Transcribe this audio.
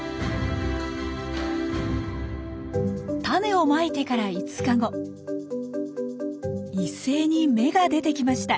タネをまいてから一斉に芽が出てきました。